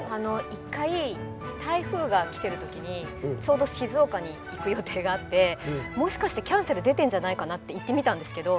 一回台風が来てる時にちょうど静岡に行く予定があってもしかしてキャンセル出てるんじゃないかなって行ってみたんですけど。